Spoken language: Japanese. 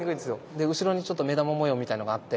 で後ろにちょっと目玉模様みたいのがあって。